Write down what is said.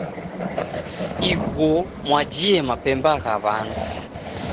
Iguo mwajie mabemba gha w'andu.